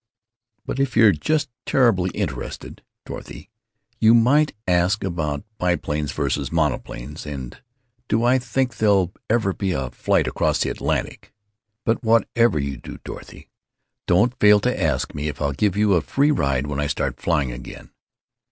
But if you're just terribly interested, Dorothy, you might ask about biplanes versus monoplanes, and 'Do I think there'll ever be a flight across the Atlantic?' But whatever you do, Dorothy, don't fail to ask me if I'll give you a free ride when I start flying again.